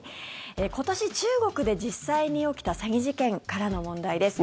今年、中国で実際に起きた詐欺事件からの問題です。